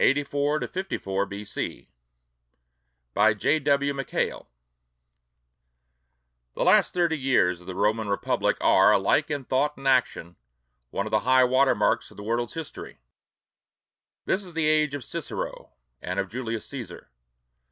W. MACKAIL [Illustration: VALERIUS CATULLUS] The last thirty years of the Roman Republic are, alike in thought and action, one of the high water marks of the world's history. This is the age of Cicero and of Julius Cæsar.